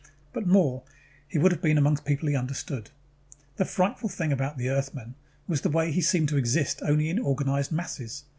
But more, he would have been among people he understood. The frightful thing about the Earthman was the way he seemed to exist only in organized masses.